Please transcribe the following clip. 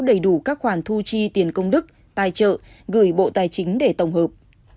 đầy đủ các khoản thu chi tiền công đức tài trợ gửi bộ tài chính để tổng hợp